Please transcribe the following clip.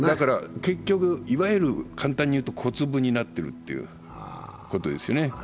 結局、簡単に言うと小粒になっているということですよね。